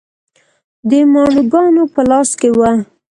د ماڼوګانو په لاس کې و.